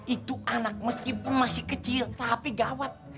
itu anak meskipun masih kecil tapi gawat